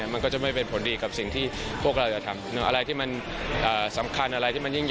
มันก็จะไม่เป็นผลดีกับสิ่งที่พวกเราจะทำอะไรที่มันสำคัญอะไรที่มันยิ่งใหญ่